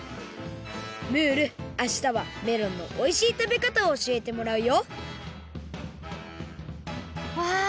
ムールあしたはメロンのおいしい食べかたをおしえてもらうよわあ